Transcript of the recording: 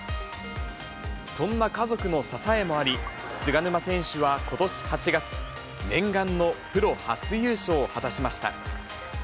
そんな家族の支えもあり、菅沼選手はことし８月、念願のプロ初優勝を果たしました。